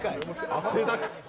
汗だく。